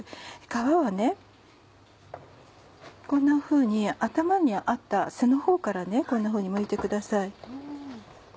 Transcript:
皮はこんなふうに頭にあった背のほうからこんなふうにむいてください。